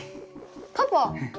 パパ。